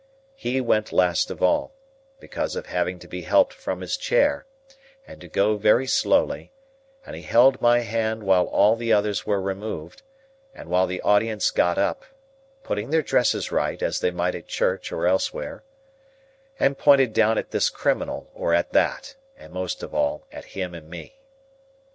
He went last of all, because of having to be helped from his chair, and to go very slowly; and he held my hand while all the others were removed, and while the audience got up (putting their dresses right, as they might at church or elsewhere), and pointed down at this criminal or at that, and most of all at him and me.